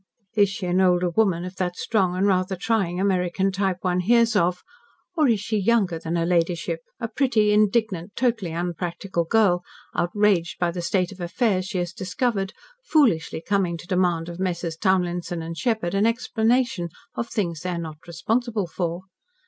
Is she an older woman of that strong and rather trying American type one hears of, or is she younger than her ladyship, a pretty, indignant, totally unpractical girl, outraged by the state of affairs she has discovered, foolishly coming to demand of Messrs. Townlinson & Sheppard an explanation of things they are not responsible for?